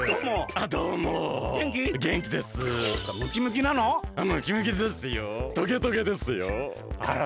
あら。